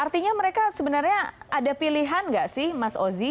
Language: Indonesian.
artinya mereka sebenarnya ada pilihan nggak sih mas ozi